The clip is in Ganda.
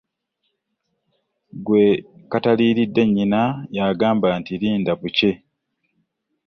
Gwe kataliridde nyinna yagamba nti linda bukye .